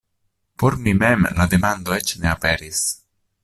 Por mi mem la demando eĉ ne aperis.